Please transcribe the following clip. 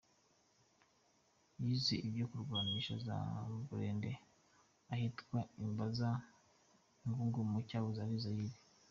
Yize ibyo kurwanisha za Burende ahitwa i Mbanza-Ngungu mu cyahoze ari Zaïre.